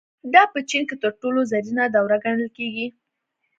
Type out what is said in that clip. دا په چین کې تر ټولو زرینه دوره ګڼل کېږي.